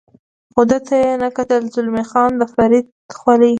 خو ده ته یې نه کتل، زلمی خان د فرید خولۍ.